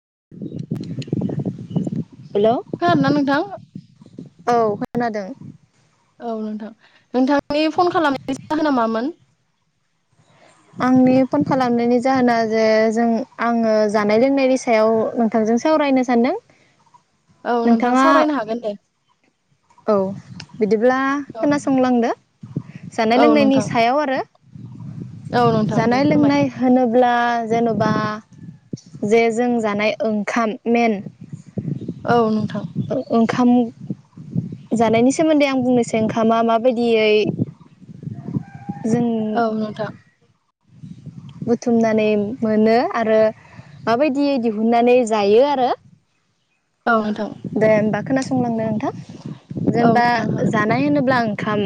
[inaudible] हेल' खोनादोंना नोंथां? औ खोनादों। औ नोंथां नोंथांनि फन खालामनायनि जाहोना मामोन? आंनि फन खालामनायनि जाहोना जे जों आङो जानाय लोंनायनि सायाव नोंथांजों सावरायनो सानदों। औ नोंथां नोंथाङा सावरायनो हागोन दे। औ बिदिब्ला औ नोंथां खोनासंलांदो जानाय औ लोंनायनि नोंथां सायाव आरो औ नोंथां दे जानाय फोरमाय लोंनाय होनोब्ला जेन'बा जे जों जानाय ओंखाम मेन औ नोंथां ओंखाम जानायनि सोमोन्दै आं बुंनोसै ओंखामा माबायदियै जों औ नोंथां बुथुमनानै मोनो आरो माबायदियै दिहुननानै जायो आरो औ नोंथां। दे होमबा खोनासंलांदो नोंथां। औ जेनेबा नोंथां हागोन जानाय होनोब्ला आं ओंखाम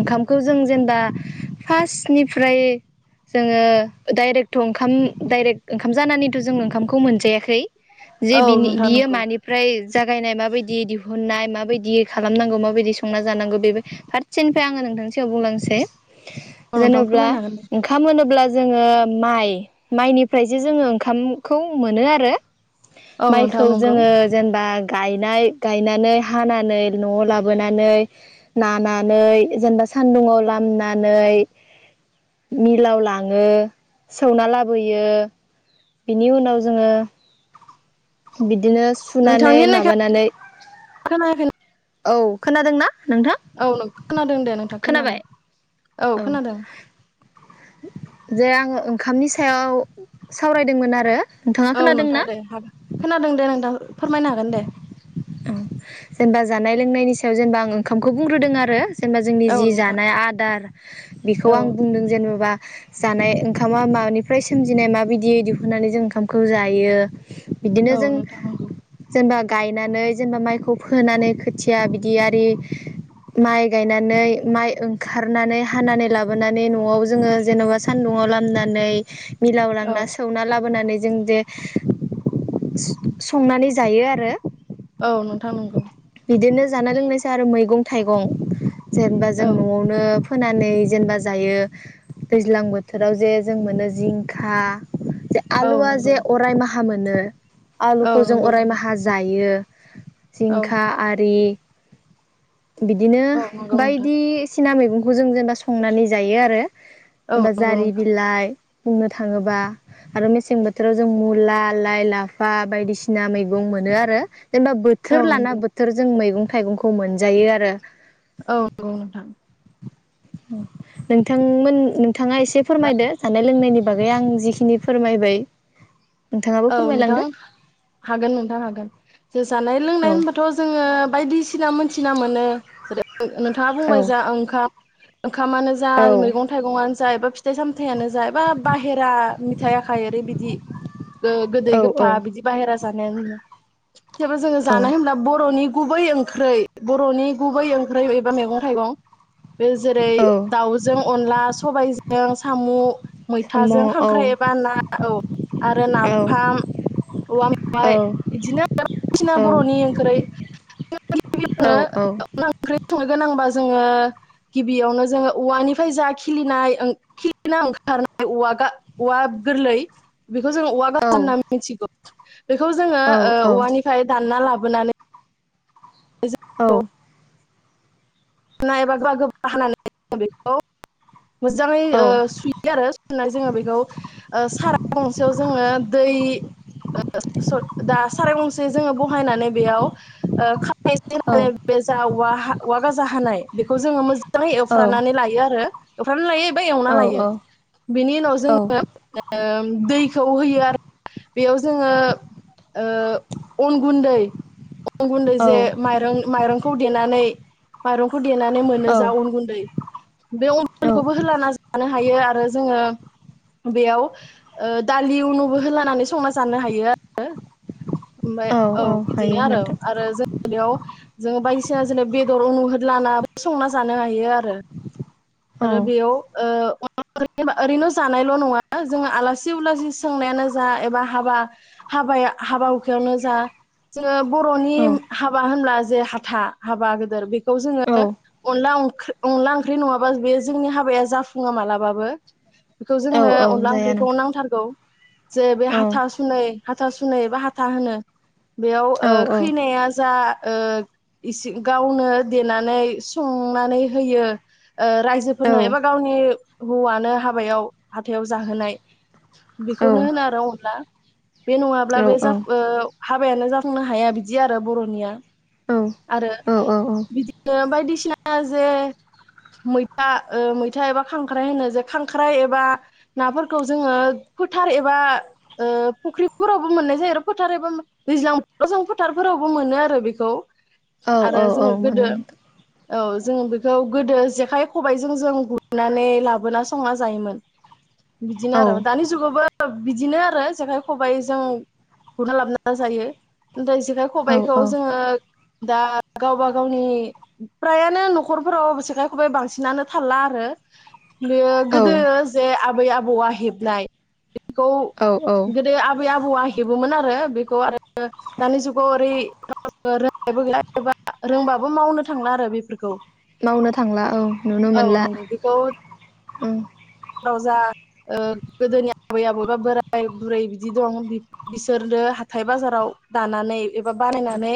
ओंखामखौ जों जेनेबा फार्स्टनिफ्राय जोङो डायरेक्टथ' ओंखाम दाइरेक्ट ओंखाम जानानैथ' जों ओंखामखौ मोनजायाखै जे औ बिनि नोंथां बियो नंगौ मानि जागायनाय माबायदि दिहुननाय माबायदि खालामनांगौ माबायदि संना जानांगौ बे फारसेनिफ्राय आङो नोंथां सिगाङाव बुंलांनोसै। औ नोंथां जेनब्ला फोरमायनो हागोन दे ओंखाम होनोब्ला जोङो माइ माइनिफ्रायसो जोङो ओंखामखौ मोनो आरो। औ नोंथां माइखौ नंगौ जोङो बा गायनाय गायनानै हानानै नआव लाबोनानै नानानै जेनबा सानदुङाव लामनानै मिलाव लाङो सौना लाबोयो। बिनि उनाव जोङो बिद बिदिनो सुनानै नोंथांनि होननायखौ माबानानै खोनायाखै औ खोनादोंना? नोंथां औ नोंथां खोनादों दे नोंथां खोनाबाय खोनादों। औ जे आङो ओंखामनि सायाव सावरायदोंमोन आरो। नोंथाङा औ खोनादों नोंथां ना दे हागोन खोनादों दे नोंथां। फोरमायनो हागोनदे। उम जेनेबा जानाय लोंनायनि सायाव जेनेबा आं ओंखामखौ जेनबा जोंनि औ जि नोंथां जानाय आदार बेखौ औ आं बुंदों जेनेबा जानाय ओंखामा मानिफ्राय सोमजिनाय माबायदि दिहुननानैजों ओंखामखौ जायो औ बिदिनोजों नोंथां नंगौ जेनबा गायनानै जेनबा माइखौ फोनानै खोथिया बिदिआरि माइ गायनानै माइ ओंखारनानै हानानै लाबोनानै नआव जोङो जेनेबा सानदुङाव लामनानै मिलाव औ लांना सौना लाबोनानै जोंजे स संनानै जायो आरो औ नोंथां नोंगौ बिदिनो जानाय लोंनायसा आरो मैगं थाइगं जेनबा औ जों नआवनो फोनानै जेनबा जायो दैज्लां बोथोरावजे जोंमोनो जिंखा जे औ नंगौ आलुआजे अराय माह हा मोनो औ आलुखौजों नंगौ नोंथां अरायमाहा जायो औ खा आरि बिदिनो औ नंगौ नोंथां बायदिस सिना मैगंखौ जों जेनबा संनानै जायो आरो औ एबा नंगौ जारि नोंथां बिलाइ बुंनो थाङोबा आरो मेसें बोथोरावजों मुला लाय लाफा बायदिसिना मैगं मोनोआरो जेनबा औ बोथोर लाना नंगौ बोथोर जों मैगं थाइगंखौ मोन जायो आरो औ नंगौ नोंथां नोंथांमोन नोंथाङा एसे फोरमायदो जानाय लोंनायनिबागै आं जिखिनि फोरमायबाय नोंथाङाबो औ फोरमायलांदो नोंथां हागोन नोंथां हागोन जानाय औ लोंनाय होनबाथ' जोङो बायदिसिना मोनथिना मोनो नोंथाङा औ बुंबाय जा ओंखाम ओंखामानो जा औ मैगं थाइगंआनो जायबा फिथाइ सामथायानो जा एबा बाहेरा मिथाय आखाय ओरैबादि ओ औ गोदै गोफा बिदि बाहेरा जानाया थेवबो जोङो औ जानाय होमब्ला बर'नि गुबै ओंख्रै बर'नि गुबै ओंख्रै एबा मैगं थाइगं बे जेरै औ दाउजों अनला सबायाइजों जों साम'। साम' औ मैथाजों औ खांख्राइ एबा ना औ आरो ना औ औवा औ मेवाय बिदिनो बायदिसिना औ बर'नि ओंख्रै औ गिबियावनो अनला ओंख्रि। संनो गोनांब्ला जोङो गिबियावनो जोङो औवानिफ्राय जा खिलिनाय खिलिना ओंखारनाय औवा गोरलै बेखौ जों [inaudible] औ [inaudible] बेखौ जोङो औवानिफ्राय दानना लाबो। बोनानै। औ। एबा गोबा गोबा हानानै बेखौ मोजाङै सुयो आरो सुनाय जोङो बेखौ साराय गंसेयाव जोङो दै दा साराय गंसे बहायनानै बेयाव। जा औवा गाजा हानाय। बेखौ जोङो मोजां। मोजाङै औ एवफ्रानानै लायो आरो। एवफ्रामनानै लायो। एवना औ लायो औ बिनि उनाव औ जोङो दैखौ होयो आरो। बेयाव जोङो अन गुन्दै औ [inaudible] मायरंखौ देननानै मामलों देनानै मोनो जा अन गुन्दै बे अन औ गुन्दैखौबो होलाना जानो हायो आरो जोङो। बेयाव ओह दालि उनुबो होलानानै संना जानो हायो आरो। ओमफाय औ बिदिनो आरो आरो जों। याव जों बायदिसिना जोंनो बेदर उनुह होदलाना संना जानो हायो आरो। ओ औ आरो बेयाव ओह ओरैनो जानायल' नङा जोङो आलासि उलासि सोंनायानो जा एबा हाबा हाबाया हाबा हुखायावनो जा ओ बर'नि औ होनब्ला जे हाथा हाबा गोदोर बेख खौ जोङो औ अनला अं अनला ओंख्रि नङाबा बे जोंनि हाबाया जाफुङा मालाबाबो खौ औ जोंनो औ अनला जाया ओंख्रिखौ नांथारगौ जे बे नोंथां हाथा सुनै हाथा सुनै एबा हाथा होनो। बेयाव औ ओह औ खैनाया आ ओह इसि गावनो देनानै संनानै होयो। ओह औ रायजोफोरनो एबा गावनि हौवानो हाबायाव हाथायाव जाहोनाय औ बेखौनो होनो आरो अनला। बे नङाब्ला बे औ औ जाफ ओ हाबायानो जाफुंनो हाया बिदि आरो बर' निया आरो औ बिदिनो बायदिसि ना जे मैथा ओह मैथा एबा खांख्राइ होनो जे खांख्राइ एबा नाफोरखौ जोङो फोथार एबा ओ फुख्रिफोरावबो मोननाय जायो आरो फोथार एबा मो दैज्लां बोथोराव जों फोथार फोरावबो मोनो आरो बेखौ। औ औ औ जोङो मोनो गोदो नोंथां। औ जों बेखौ गोदो जेखाइ खबाइजों जों गुरनानै लाबोना संना जायोमोन। बिदिनो औ आरो दानि जुगावबो बिदिनो आरो जेखाइ खबाइ जों गुरना लाबोना जायो ओमफाय इसोर औ औ खबाइखौ जोङो दा गावबा गावनि प्रायानो न'खरफोराव जेखाइ खबाइ बांसिनानो थाला आरो बेयो गोदो जे आबै आबौ आ हेबनाय खौ औ औ गोदो आबै आबौ बौआ हेबोमोन आरो बेखौ आरो दानि जुगा व हरै [unintelligible] गैला एबा रोंबाबो मावनो थांला आरो बेफोरखौ। मावनो थांला औ नुनो औ मोनला। ओम औ जा ओ गोदोनि आबै आबौवा बोराय बुरै बिदि दं बिसोरनो हाथाइ बाजाराव दानानै एबा बानायनानै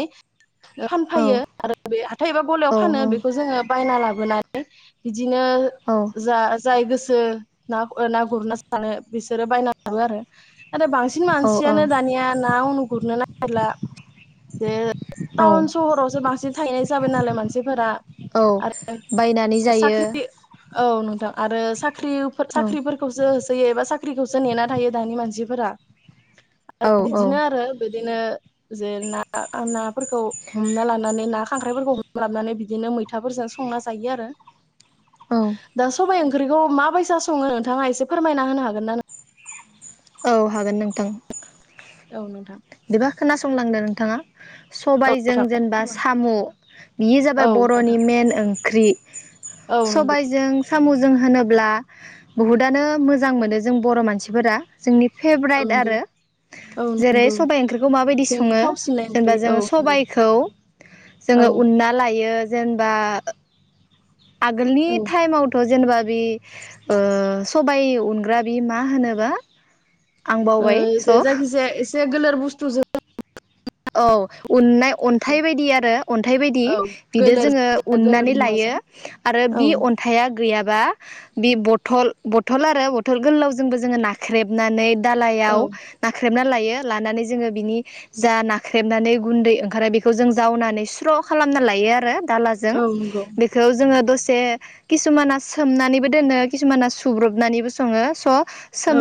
औ फानफायो आरो बे हाथायबा औ गलायाव फानो बेखौ जोङो बायना लाबोनानै बि बिदिनो जा जाय गो सो ना ओ ना गुरना सानो बिसोरो बायना लाङो आरो। आरो बांसिन औ मानसियानो दानिया नाखौनो गुरनो ना गिरला जे औ टाउन सहरावसो बांसिन थाहैनाय जाबाय नालाय मानसिफोरा औ बायनानै आरो जायो। साख्रि औ नोंथां आरो [unintelligible] [unintelligible] औ साख्रिफोरखौसो होयो एबा साख्रिखौसो नेना थायो दानि मानसिफोरा। औ आरो औ बिदिनो आरो बिदिनो जे ना- नाफोरखौ हमना लानानै ना खांख्राइफोरखौ हमना लाबानै बिदिनो मैथाफोरजों संना जायो आरो। औ दा सबाइ ओंख्रिखौ मा बायसा सङो नोंथाङा एसे फोरमायना होनो हागोन नों औ हागोन नोंथां। औ नोंथां। बिदिबा खोनासंलांदो नोंथाङा। औ सबायजों नोंथां जेनेबा साम' बियो जाबाय औ बर'नि नोंथां मेन [unintelligible] औ [unintelligible] नंगौ सबायजों सामु जों होनोब्ला बुहुतानो मोजां मोनो जों बर' मानसिफोरा। जोंनि औ फेभ्राइट नंगौ आरो औ जेरै नंगौ सबाइ ओंख्रिखौ माबायदि जोंनि सङो थावसिननाय जेनेबा ओंख्रि औ जोङो नंगौ सबायाइखौ औ जोङो उनना लायो। जेनेबा आगोलनि औ टाइमावथ' जेनेबा बे ओ सबाय उनग्रा बि मा होनोबा आं ओ बावबाय जा स' जायखिजाया एसे गोलोद बुस्थु जों औ उननाय अन्थाइ बायदि आरो अन्थाइ बायदि औ बिदो गोलोर जोङो जायखिजाया गोलोर उन्नानै लायो मुवाजों आरो औ बि अन्थाया गैयाब्ला बे बथल, बथल आरो बथल गोलावजोंबो जोङो नाख्रेबनानै औ दालायाव नाख्रेबना लायो। [unintelligible] लानानै जोङो बिनि [unintelligible] [unintelligible] गुन्दै ओंखारो बेखौ जों जावनानै स्र' खालामना लायो आरो। दालाजों औ नंगौ बेखौ जोङो दसे जे किसुमाना सोमनानैबो दोनो किसुमाना सुबुब्रबनानैबो सङो स'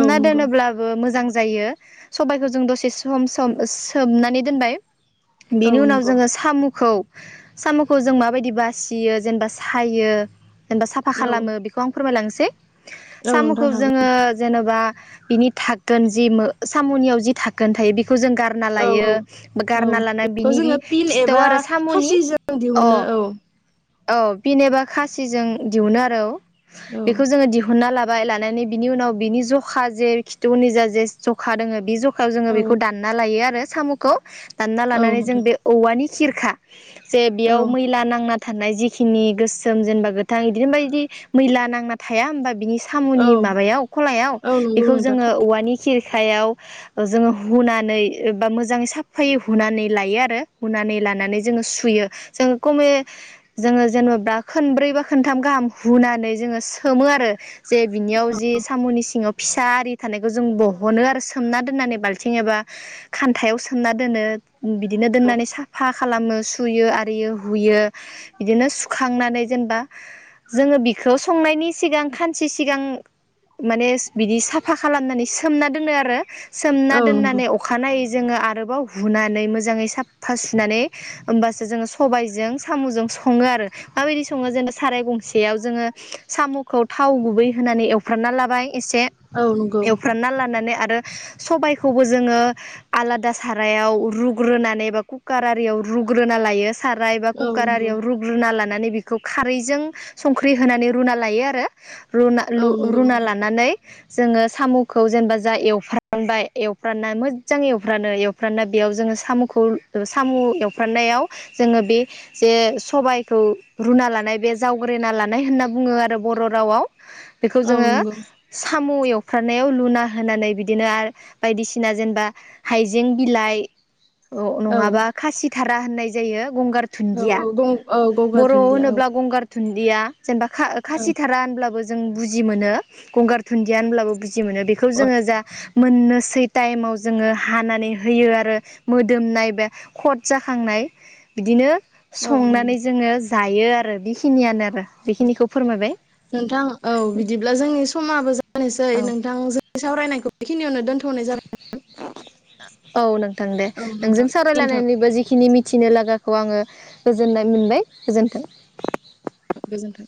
औ नंगौ दोनोब्लाबो मोजां जायो। जायो सबायखौ जों दसे सम -सम -सोमनानै दोनबाय औ बेनि उनाव नंगौ जोङो सामुखौ साम'खौ जों माबायदि बासियो जेनेबा सायो जेनेबा साफा औ खालामो बेफोरखौ आं फोरमायलांनोसै औ साम'खौ नोंथां हागोन जोङो जेन'बा बिनि दाखोन जि सामनियाव जि दाखोन थायो बे खौ जों गारना औ लायो औ औ गारना लाना बेखौ बिनि बि जोङो पिन खिथौ एबा आरो साम'नि खासिजों अ दिहुनो औ औ बिनिबा खासिजों दिहुनो आरो औ औ बेखौ जोङो दिहुनना लाबो लानानै बिनि उनाव बिनि ज'खा जे खिथौनि जा जे जखा दोङो बे जखा ज'खायाव जोङो औ बेखौ दानना लायो आरो साम' खौ दानना औ लानानै जों नोंथां बे औवानि सिरखा जे औ बेयाव मैला नांना थानाय जिखिनि गोसोम जेनेबा गोथां बिदिनो बदि मैला नांना थाया होमबा बिनि औ साम'नि माबायाव खलायाव औ नंगौ बेखौ नोंथां जोङो औवानि खिर सायाव जोङो हुनानै बा मोजां साफायै हुनानै लायो आरो हुनानै लानानै जोङो सुयो जोङो खमे जोङो जेनेबा खनब्रै बा खनथाम गाहाम हुनानै जोङो सोमो आरो जे बिनियाव जि साम'नि सिङाव फिसा आरि थानायखौ जों बह'नो आरो सोमना दोननानै बाल्थिं एबा खान्थायाव सोमना दोनो बिदिनो दोननानै साफा खालामो सुयो आरियो हुयो बिदिनो सुखांनानै जेनेबा जोङो बिखौ संनायनि सिगां खानसे सिगां माने बिदि साफा खालामनानै सोमना दोनो आरो सोमना औ नंगौ दोननानै अखानायै जोङो आरो माबा हुनानै मोजाङै साफा सुनानै होमबासो जोङो सबायजों सामजों सङो आरो माबायदि सङो जेनेबा साराय गंसेयाव जोङो सामखौ थाव गुबै होनानै एवफ्रामना लाबाय एसे औ नंगौ एवफ्रानना लानानै आरो सबायखौबो जोङो आलादा सारायाव रुग्रोनानै बा कुकाराव आरियाव रुग्रोना लायो साराय एबा औ कुकार नंगौ आरियाव रुग्रुना ला नानै बेखौ खारैजों संख्रि होनानै रुना लायो आरो रुना औ लु नंगौ रुना नोंथां लानानै जोङो सामखौ जेनेबा जा एवफ्रामबाय एवफ्रामना मोजां एवफ्राननो, एवफ्राना बेयाव जोङो सामखौ सामु एवफ्रानायाव जोङो बे जे सबायखौ रुना लानाय बे जावग्रोना लानाय होनना बुङो आरो बर' रावाव, बेखौ औ जोङो नंगौ साम एव खारनायाव लुना होनानै बिदिनो आरो बायदिसिना जेनेबा हाज हाजें बिलाइ औ नङाबा खासि थारा होननाय जायो गंगार औ दुन्दिया औ गं औ गंगार बर' दुन्दिया औ होनोब्ला गंगार धुन्दिया जेनेबा खा औ खासि औ थारा होनब्लाबो जों बुजि मोनो गंगार धुन्दिया होनब्लाबो बुजि खुसि मोनो बेखौ जोङो जा मोननोसै टाइमाव जोङो हाना नै होयो आरो मोदोमनाय बे खट जाखांनाय बिदिनो, औ नंगौ संनानै जोङो, जायो आरो बेखिनियानो, आरो बेखिनिखौ फोरमायबाय नोंथां औ बिदिब्ला जोंनि समाबो जानोसै औ नोंथां जोंनि सावरायनाय, बेखिनि आवनो दोन औ नोंथां दे जाबाय औ नोंजों नोंथां गोजोन्थों सावरायलायनानैबो जिखिनि मिथिनो लागा खौ आङो गोजोननाय मोनबाय गोजोन्थों। गोजोन्थों।